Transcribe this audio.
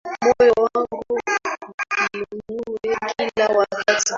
Moyo wangu ukuinue kila wakati.